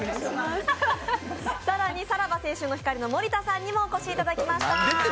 更にさらば青春の光の森田さんにもお越しいただきました。